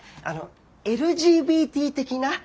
あのＬＧＢＴ的な？